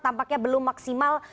tampaknya belum maksimal